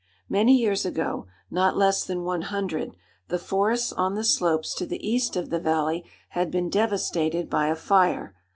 Many years ago, not less than one hundred, the forests on the slopes to the east of the valley had been devastated by a fire.